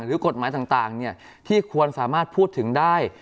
หรือกฎหมายต่างที่ควรสามารถพูดถึงได้